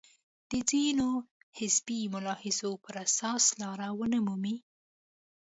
د ځینو حزبي ملاحظو پر اساس لاره ونه مومي.